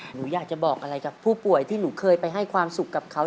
หนูอยากจะบอกอะไรกับผู้ป่วยที่หนูเคยไปให้ความสุขกับเขา